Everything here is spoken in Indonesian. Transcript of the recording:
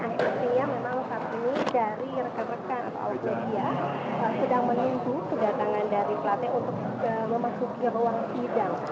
akhirnya memang saat ini dari rekan rekan atau alat media sudah menuju kedatangan dari platih untuk memasuki bawang sidang